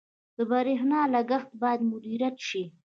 • د برېښنا لګښت باید مدیریت شي.